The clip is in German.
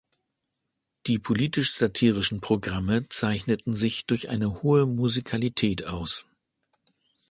Die politisch-satirischen Programme zeichneten sich durch eine hohe Musikalität aus.